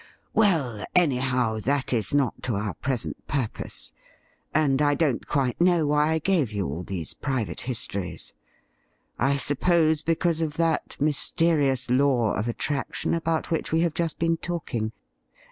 ' Well, anyhow, that is not to our present purpose, and I don't quite know why I gave you all these private histories. I suppose because of that mysterious law of attraction about which we have just been talking.